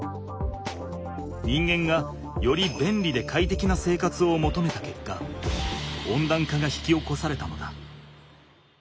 人間がより便利でかいてきな生活をもとめたけっか温暖化が引き起こされたのだ。